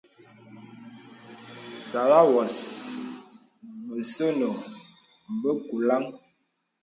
Sàlàwūs bəsɔ̄nɔ̄ bə kùlāŋ.